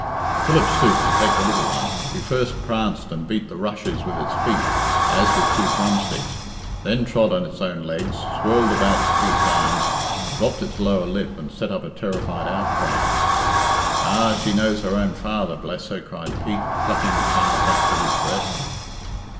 Philip stooped to take the little one, who first pranced and beat the rushes with its feet as with two drumsticks, then trod on its own legs, swirled about to Pete's arms, dropped its lower lip, and set up a terrified outcry. "Ah! she knows her own father, bless her," cried Pete, plucking the child back to his breast.